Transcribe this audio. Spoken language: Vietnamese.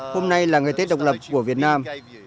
hôm nay là ngày tết độc lập của việt nam